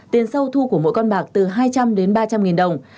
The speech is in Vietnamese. tiền sâu thu của mỗi con bạc từ hai trăm linh đến ba trăm linh nghìn đồng